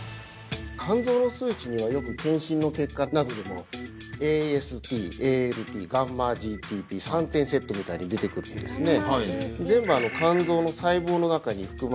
肝臓の数値にはよく健診の結果などでもＡＳＴＡＬＴγ−ＧＴＰ３点セットみたいに出てくるんですね